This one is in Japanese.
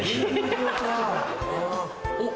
おっ